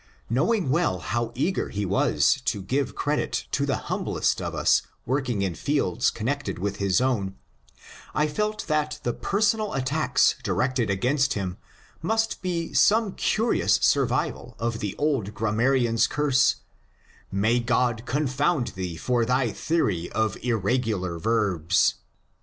Knowing well how eager he was to give credit to the humblest of us working in fields connected with his own, I felt that the personal attacks di rected against him must be some curious survival of the old grammarian ^s curse, " May God confound thee for thy theoiy of irregular verbs